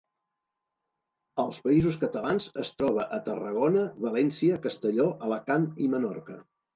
Als Països Catalans es troba a Tarragona, València, Castelló, Alacant i Menorca.